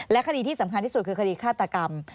คดีที่สำคัญที่สุดคือคดีฆาตกรรม